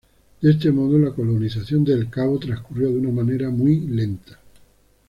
De este modo, la colonización de El Cabo transcurrió de una manera muy lenta.